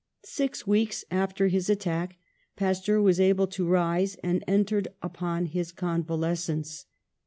Six weeks after his attack Pasteur was able to rise, and entered upon his convalescence.